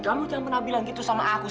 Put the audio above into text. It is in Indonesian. kamu jangan pernah bilang gitu sama aku